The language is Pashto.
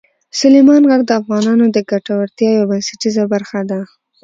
سلیمان غر د افغانانو د ګټورتیا یوه بنسټیزه برخه ده.